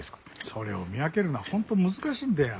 それを見分けるのは本当難しいんだよ。